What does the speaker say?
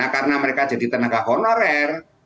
karena mereka jadi tenaga honorer